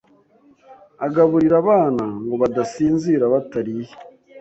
agaburira abana ngo badasinzira batariye.